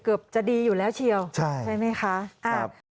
เกือบจะดีอยู่แล้วเชียวใช่ไหมคะอ่าใช่ครับ